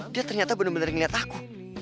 dia ternyata bener bener ngeliat aku